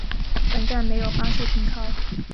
本站没有巴士停靠。